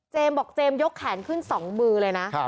บอกเจมส์ยกแขนขึ้น๒มือเลยนะ